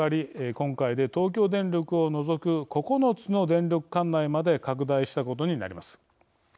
今回で東京電力を除く９つの電力管内まで拡大したことになります。